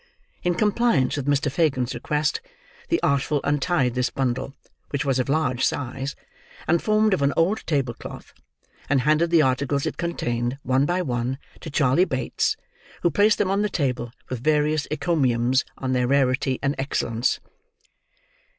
In compliance with Mr. Fagin's request, the Artful untied this bundle, which was of large size, and formed of an old table cloth; and handed the articles it contained, one by one, to Charley Bates: who placed them on the table, with various encomiums on their rarity and excellence.